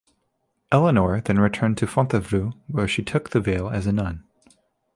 Eleanor then returned to Fontevraud where she took the veil as a nun.